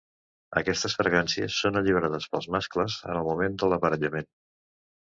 Aquestes fragàncies són alliberades pels mascles en el moment de l'aparellament.